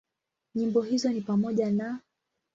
Nyimbo hizo ni pamoja na;